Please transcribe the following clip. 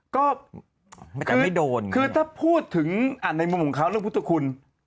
ก็ไม่โดนคือถ้าพูดถึงในมุมของเขาเรื่องพุทธคุณ